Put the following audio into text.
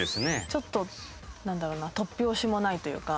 ちょっとなんだろうな突拍子もないというか。